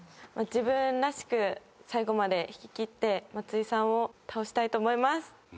自分らしく最後まで弾き切って松井さんを倒したいと思います。